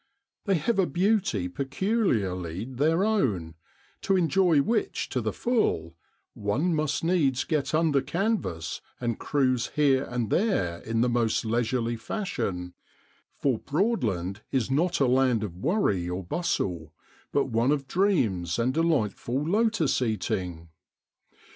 They have a beauty peculiarly their own, to enjoy which to the full, one must needs get under canvas and cruise here and there in the most leisurely fashion, for Broadland is not a land of worry or bustle, but one of dreams and delightful lotus eating.